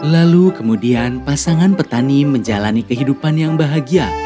lalu kemudian pasangan petani menjalani kehidupan yang bahagia